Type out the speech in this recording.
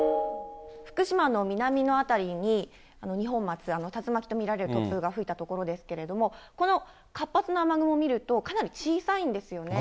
福島の南の辺りに二本松、竜巻と見られる突風が吹いた所ですけど、この活発な雨雲を見ると、かなり小さいんですよね。